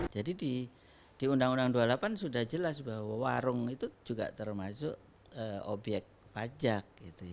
jadi di undang undang dua puluh delapan sudah jelas bahwa warung itu juga termasuk obyek pajak